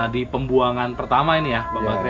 di pembuangan pertama ini ya pak bakri